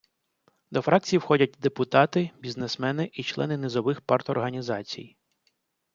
До фракції входять депутати - бізнесмени і члени низових парторганізацій.